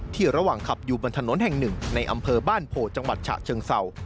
ระหว่างขับอยู่บนถนนแห่งหนึ่งในอำเภอบ้านโพจังหวัดฉะเชิงเศร้า